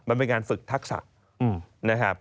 มันเป็นงานฝึกทักษะ